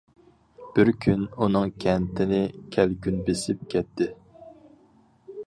بىر كۈن، ئۇنىڭ كەنتىنى كەلكۈن بېسىپ كەتتى.